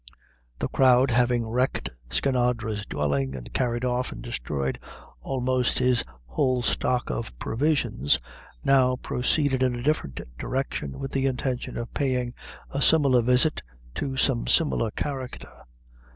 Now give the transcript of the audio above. The crowd having wrecked Skinadre's dwelling, and carried off and destroyed almost his whole stock of provisions, now proceeded in a different direction, with the intention of paying a similar visit to some similar character.